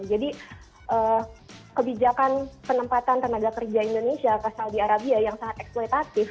jadi kebijakan penempatan tenaga kerja indonesia ke saudi arabia yang sangat eksploitatif